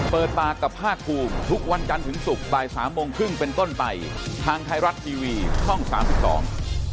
เปิดปากกับภาคภูมิทุกวันจันทร์ถึงศุกร์บ่ายสามโมงครึ่งเป็นต้นไปทางไทยรัฐทีวีช่องสามสิบสอง